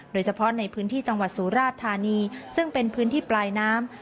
โดยเฉพาะในพื้นที่จังหวัดสุราชธานีซึ่งเป็นพื้นที่ปลายน้ำ